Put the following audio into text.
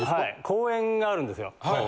公園があるんですよ。